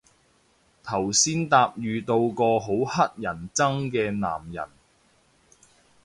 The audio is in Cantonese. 頭先搭遇到個好乞人憎嘅男人